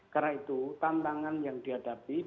karena itu tantangan yang dihadapi